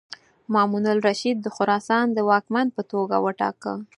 مامون الرشید د خراسان د واکمن په توګه وټاکه.